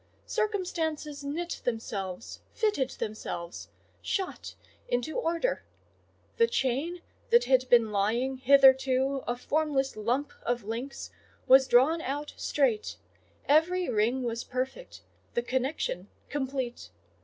Circumstances knit themselves, fitted themselves, shot into order: the chain that had been lying hitherto a formless lump of links was drawn out straight,—every ring was perfect, the connection complete.